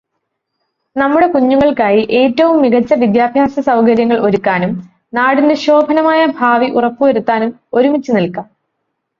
നമ്മുടെ കുഞ്ഞുങ്ങൾക്കായി ഏറ്റവും മികച്ച വിദ്യാഭ്യാസസൗകര്യങ്ങൾ ഒരുക്കാനും നാടിന്റെ ശോഭനമായ ഭാവി ഉറപ്പുവരുത്താനും ഒരുമിച്ച് നിൽക്കാം.